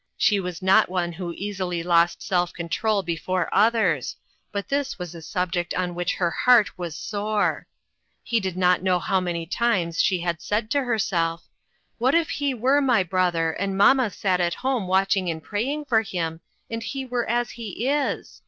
She was not one who easily lost self control before others, but this was a subject on which her heart was sore. He did not know how many times she had said to herself: "What if he were my brother, and mamma sat at home watching and praying for him, and he were as he is